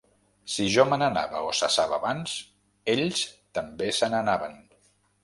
Si jo me n’anava o cessava abans, ells també se n’anaven.